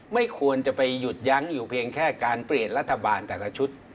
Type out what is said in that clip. ไม่ควรจะไปหยุดยั้งอยู่เพียงแค่การเปลี่ยนรัฐบาลแต่ละชุด